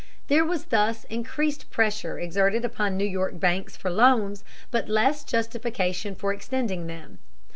There was thus increased pressure exerted upon New York banks for loans, but less justification for extending them.